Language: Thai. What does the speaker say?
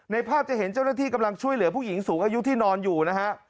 ภาพจะเห็นเจ้าหน้าที่กำลังช่วยเหลือผู้หญิงสูงอายุที่นอนอยู่นะฮะ